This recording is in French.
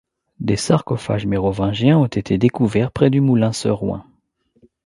Des sarcophages mérovingiens ont été découverts près du moulin Seroin.